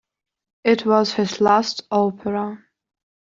It was his last opera.